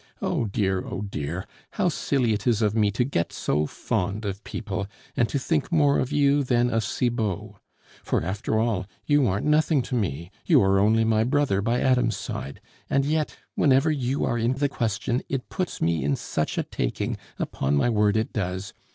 Oh dear! oh dear! how silly it is of me to get so fond of people, and to think more of you than of Cibot! For, after all, you aren't nothing to me, you are only my brother by Adam's side; and yet, whenever you are in the question, it puts me in such a taking, upon my word it does!